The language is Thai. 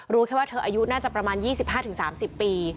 รู้แค่ว่าเธออายุน่าจะประมาณ๒๕๓๐ปี